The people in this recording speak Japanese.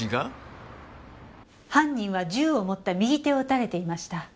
犯人は銃を持った右手を撃たれていました。